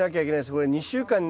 これ２週間に。